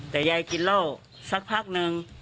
แต่ยายกินเหล้าสักพักนึง